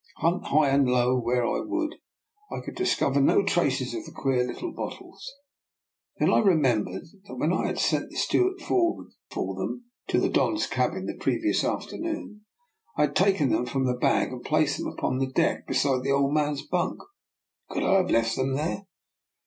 Hunt high and low, where I would, I could discover no traces of the queer little bottles. Then I remembered that when I had sent the steward for them to the Don's cabin the previous afternoon, I had taken them from the bag and placed them upon the deck beside the old man's bunk. Could I have left them there?